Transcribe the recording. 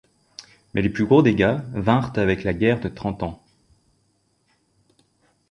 Mais les plus gros dégâts vinrent avec la guerre de Trente Ans.